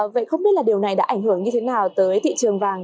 vậy không biết là điều này đã ảnh hưởng như thế nào tới thị trường vàng